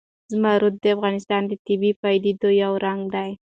زمرد د افغانستان د طبیعي پدیدو یو رنګ دی.